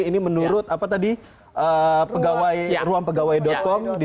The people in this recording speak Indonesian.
ini menurut ruampegawai com